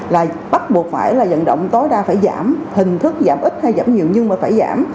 là bắt buộc phải là dẫn động tối đa phải giảm hình thức giảm ít hay giảm nhiều nhưng mà phải giảm